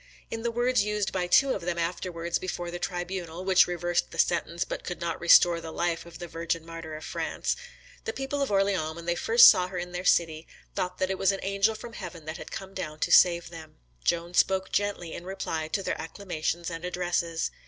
In the words used by two of them afterwards before the tribunal, which reversed the sentence, but could not restore the life of the Virgin martyr of France, "the people of Orleans, when they first saw her in their city, thought that it was an angel from heaven that had come down to save them." Joan spoke gently in reply to their acclamations and addresses.